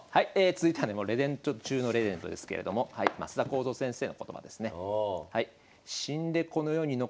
続いてはねレジェンド中のレジェンドですけれども升田幸三先生の言葉ですね。